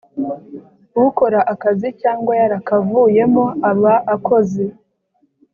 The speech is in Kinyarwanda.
ukora akazi cyangwa yarakavuyemo aba akoze